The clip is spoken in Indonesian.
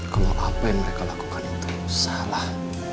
kalau apa yang mereka lakukan itu salah